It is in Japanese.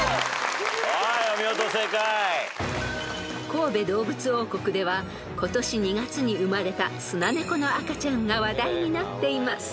［神戸どうぶつ王国では今年２月に生まれたスナネコの赤ちゃんが話題になっています］